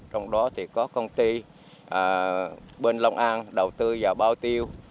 trong đó thì có công ty bên long an đầu tư vào bao tiêu